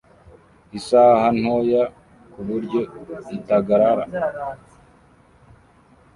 isaha Ntoya kuburyo itagarara